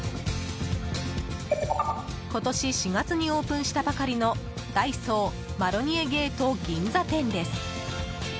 今年４月にオープンしたばかりのダイソーマロニエゲート銀座店です。